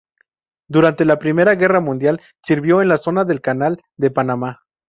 Durante la Primera Guerra Mundial sirvió en la Zona del Canal de Panamá.